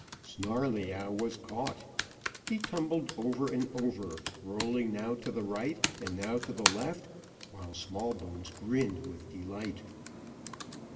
Snarleyyow was caught; he tumbled over and over, rolling now to the right and now to the left, while Smallbones grinned with delight.